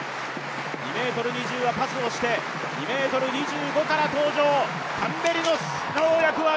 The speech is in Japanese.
２ｍ２０はパスをして、２ｍ２５から登場。